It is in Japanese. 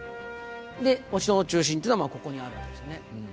お城の中心っていうのがここにあるわけですよね。